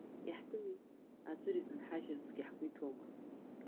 Иаҳтәыми, аӡәыр изынҳажьырцгьы ҳгәы иҭоума?